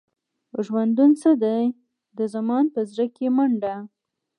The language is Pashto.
ژوندون څه دی؟ د زمان په زړه کې منډه.